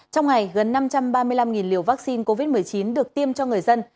trong ngày gần năm trăm ba mươi năm liều vaccine covid một mươi chín được tiêm cho người dân